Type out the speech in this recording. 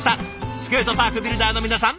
スケートパークビルダーの皆さん